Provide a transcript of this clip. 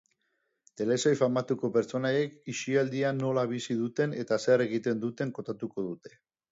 Telesail famatuko pertsonaiek itxialdia nola bizi duten eta zer egiten duten kontatuko dute.